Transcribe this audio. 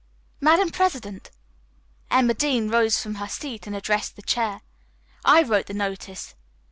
"Madam President," Emma Dean rose from her seat and addressed the chair, "I wrote the notice.